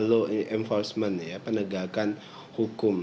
law enforcement ya penegakan hukum